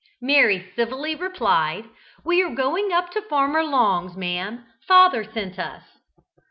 Mary civilly replied, "We are going up to Farmer Long's, ma'am; father sent us."